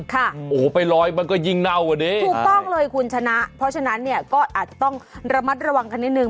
โหไปลอยมันก็ยิ่งเน่ากว่านี้ถูกต้องเลยคุณชนะเพราะฉะนั้นเนี่ยก็อาจจะต้องระมัดระวังกันนิดนึง